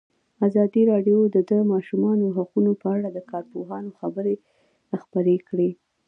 ازادي راډیو د د ماشومانو حقونه په اړه د کارپوهانو خبرې خپرې کړي.